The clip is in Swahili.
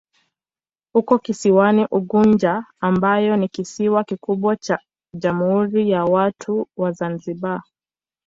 Uko kisiwani Unguja ambayo ni kisiwa kikubwa cha Jamhuri ya Watu wa Zanzibar.